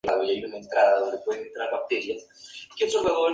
La banda ha sufrido múltiples cambios en su formación.